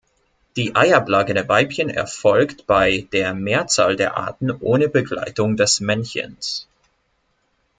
Die Eiablage der Weibchen erfolgt bei der Mehrzahl der Arten ohne Begleitung des Männchens.